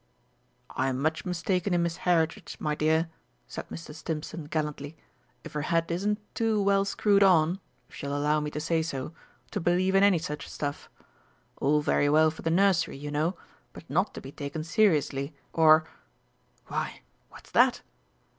"I'm much mistaken in Miss Heritage, my dear," said Mr. Stimpson gallantly, "if her head isn't too well screwed on (if she'll allow me to say so) to believe in any such stuff. All very well for the Nursery, you know, but not to be taken seriously, or ... why, what's that?